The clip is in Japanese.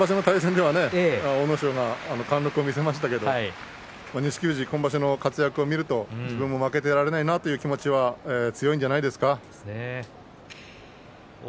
先場所の対戦では阿武咲が貫禄を見せましたけども錦富士、今場所の活躍を見ると自分も負けていられないという気持ちが強いんじゃないでしょうか。